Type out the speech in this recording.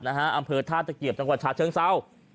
อำเภอธาตุเกียรติจังหวัดชาติเชิงเซา